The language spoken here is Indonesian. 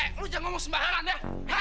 eh lu jangan ngomong sembarangan ya